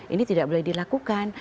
ini tidak boleh dilakukan